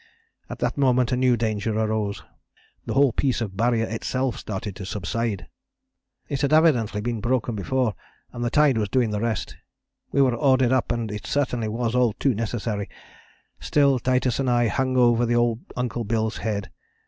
At that moment a new danger arose. The whole piece of Barrier itself started to subside. "It had evidently been broken before, and the tide was doing the rest. We were ordered up and it certainly was all too necessary; still Titus and I hung over the old Uncle Bill's head.